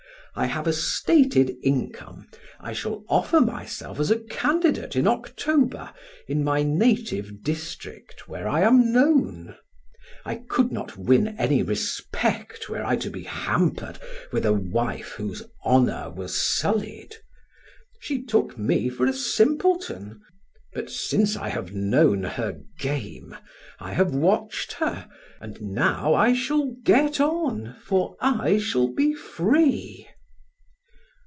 I have a stated income. I shall offer myself as a candidate in October in my native district, where I am known. I could not win any respect were I to be hampered with a wife whose honor was sullied. She took me for a simpleton, but since I have known her game, I have watched her, and now I shall get on, for I shall be free."